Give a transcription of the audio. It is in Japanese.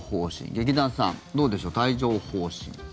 劇団さん、どうでしょう帯状疱疹。